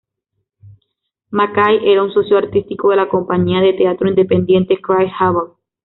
Mackay era un socio artístico de la compañía de teatro independiente "Cry Havoc".